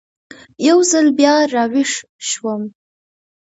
یو ځل بیا را ویښ شوم.